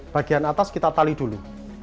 bagian atas kita tali dulu